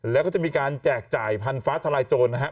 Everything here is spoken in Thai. แล้วก็จะมีการแจกจ่ายพันธ้าทลายโจรนะฮะ